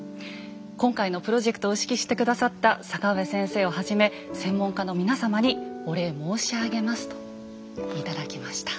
今回のプロジェクトを指揮して下さった坂上先生をはじめ専門家の皆様にお礼申し上げます」と頂きました。